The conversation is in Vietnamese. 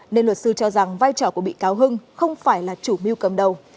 nên luật sư cho rằng vai trò của bị cáo hưng không phải là chủ mưu cầm đầu